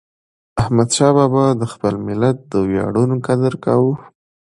احمدشاه بابا د خپل ملت د ویاړونو قدر کاوه.